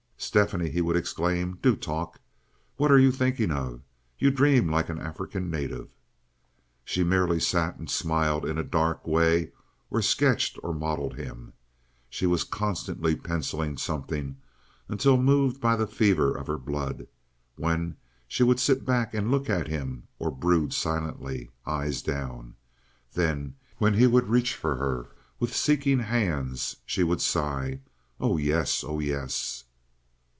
"Stephanie," he would exclaim, "do talk. What are you thinking of? You dream like an African native." She merely sat and smiled in a dark way or sketched or modeled him. She was constantly penciling something, until moved by the fever of her blood, when she would sit and look at him or brood silently, eyes down. Then, when he would reach for her with seeking hands, she would sigh, "Oh yes, oh yes!"